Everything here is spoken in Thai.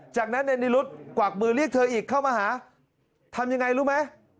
จากนั้นในนิรุธกวักมือเรียกเธออีกเข้ามาหาทำยังไงรู้ไหม